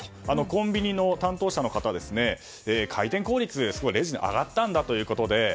コンビニの担当者の方は回転効率が上がったんだということで。